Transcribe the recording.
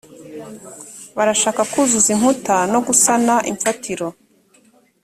barashaka kuzuza inkuta l no gusana imfatiro